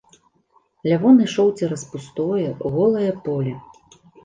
Лявон ішоў цераз пустое, голае поле.